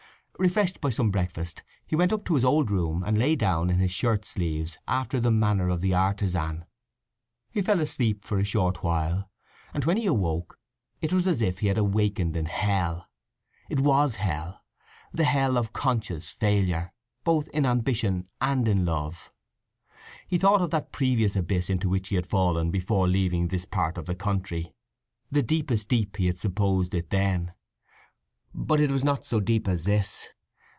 Refreshed by some breakfast, he went up to his old room and lay down in his shirt sleeves, after the manner of the artizan. He fell asleep for a short while, and when he awoke it was as if he had awakened in hell. It was hell—"the hell of conscious failure," both in ambition and in love. He thought of that previous abyss into which he had fallen before leaving this part of the country; the deepest deep he had supposed it then; but it was not so deep as this.